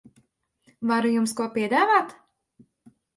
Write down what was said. Varu jums ko piedāvāt?